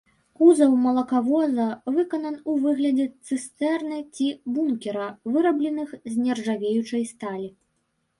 Кузаў малакавоза выканан у выглядзе цыстэрны ці бункера, вырабленых з нержавеючай сталі.